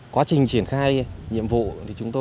quá trình triển khai nhiệm vụ